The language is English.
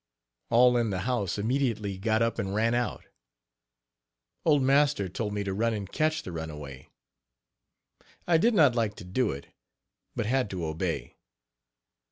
All in the house immediately got up and ran out. Old master told me to run and catch the runaway. I did not like to do it, but had to obey.